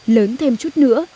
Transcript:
lớn thêm chút nữa